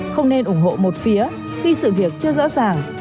không nên ủng hộ một phía khi sự việc chưa rõ ràng